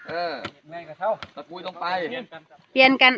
เอาขี้โคนลงไปในบ่อ